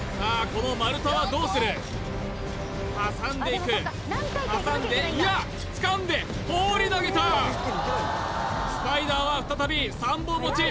この丸太はどうする挟んでいく挟んでいやつかんで放り投げたスパイダーは再び３本持ち